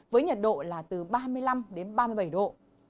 với nhiệt độ là từ ba mươi năm đến ba mươi bảy độ